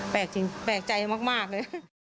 แปลกจริงแปลกใจมากเลย